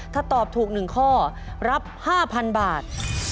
ถ้าตอบถูก๑ข้อรับ๕๐๐๐บาท